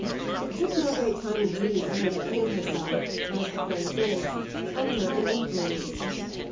It took no great time indeed for her to feel herself, as the phrase is, under an influence.